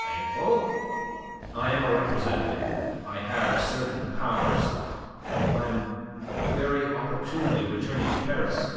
"Thankful?" "I am a representative. I have certain powers. I am very opportunely returning to Paris.